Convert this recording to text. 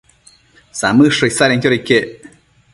Samëdsho isadenquioda iquec